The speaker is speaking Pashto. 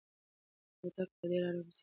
الوتکه په ډېر ارام سره په ځمکه ودرېده.